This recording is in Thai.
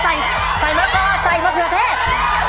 ไม่ต้องใส่มะกอดใส่มะเขือเทศ